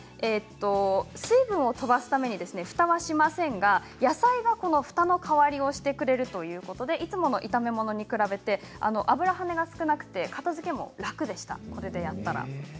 水分を飛ばすためにふたはしませんが野菜がふたの代わりをしてくれるということでいつもの炒め物に比べて油跳ねが少なくて片づけも楽でした。